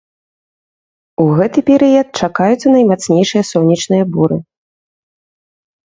У гэты перыяд чакаюцца наймацнейшыя сонечныя буры.